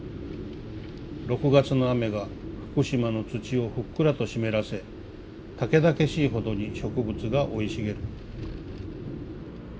６月の雨が福島の土をふっくらと湿らせ猛々しいほどに植物が生い茂る。